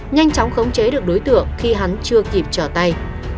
nhanh chóng khống chế được đối tượng khi hắn chưa kịp trở tay